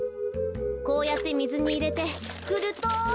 こうやってみずにいれてふると。